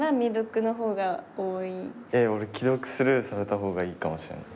俺既読スルーされた方がいいかもしれない。